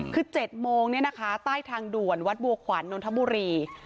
คือ๗โมงเนี่ยนะคะใต้ทางด่วนวัดบัวขวัญนนทบุรี